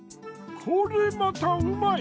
これまたうまい！